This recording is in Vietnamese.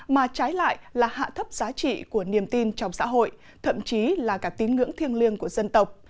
mà trái lại là hạ thấp giá trị của niềm tin trong xã hội thậm chí là cả tín ngưỡng thiêng liêng của dân tộc